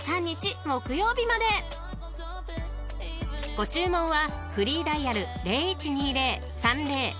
［ご注文は］